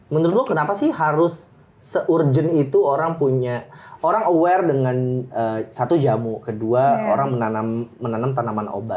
menurut gue kenapa sih harus se urgent itu orang punya orang aware dengan satu jamu kedua orang menanam tanaman obat